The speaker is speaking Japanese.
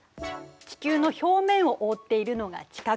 地球の表面をおおっているのが地殻。